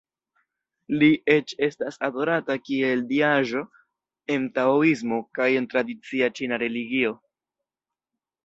Li eĉ estas adorata kiel diaĵo en taoismo kaj en tradicia ĉina religio.